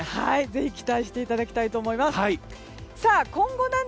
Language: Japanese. ぜひ期待をしていただきたいと思います。